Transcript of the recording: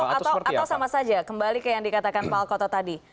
atau sama saja kembali ke yang dikatakan pak alkoto tadi